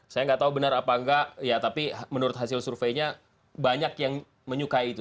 saya nggak tahu benar apa enggak ya tapi menurut hasil surveinya banyak yang menyukai itu